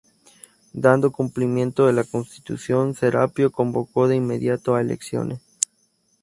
Dando cumplimiento a la Constitución, Serapio convocó de inmediato a elecciones.